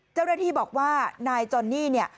เจ้าหน้าที่บอกว่านายจอนนี่เนี่ย